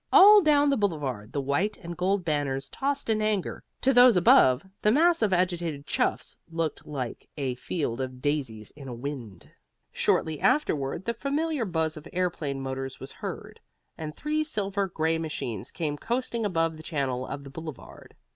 All down the Boulevard the white and gold banners tossed in anger. To those above, the mass of agitated chuffs looked like a field of daisies in a wind. Shortly afterward the familiar buzz of airplane motors was heard, and three silver gray machines came coasting above the channel of the Boulevard.